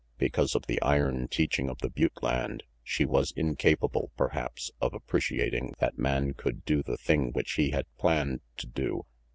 Because of the iron teaching of the butte land, she was incapable, perhaps, of appreciating that man could do the thing which he had planned to do.